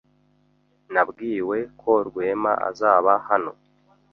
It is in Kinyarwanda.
Nabwiwe ko Rwema azaba hano.